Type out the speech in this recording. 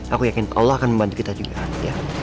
aku yakin allah akan membantu kita juga